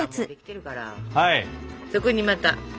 そこにまた。